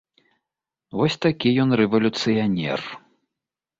Вось такі ён рэвалюцыянер.